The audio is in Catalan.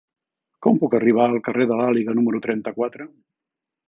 Com puc arribar al carrer de l'Àliga número trenta-quatre?